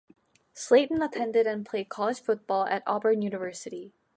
Slayton attended and played college football at Auburn University.